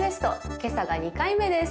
今朝が２回目です